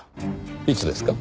いつですか？